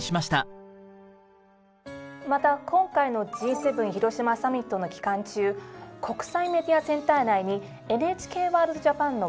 また今回のＧ７広島サミットの期間中国際メディアセンター内に「ＮＨＫワールドＪＡＰＡＮ」のブースを設け